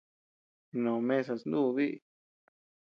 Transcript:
Mnó mesa snuu biʼi.